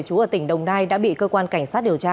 chú ở tỉnh đồng nai đã bị cơ quan cảnh sát điều tra